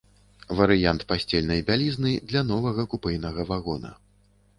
Варыянт пасцельнай бялізны для новага купэйнага вагона.